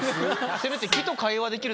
せめて。